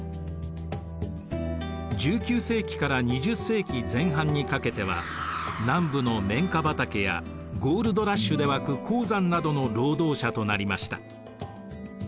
１９世紀から２０世紀前半にかけては南部の綿花畑やゴールドラッシュで沸く鉱山などの労働者となりました。